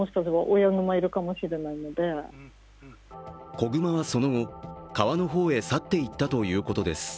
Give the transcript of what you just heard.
子熊はその後、川の方に去っていったということです。